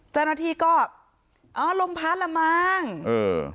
เจ้าหน้าที่ก็อ๋อลมพัดละมั้งเออ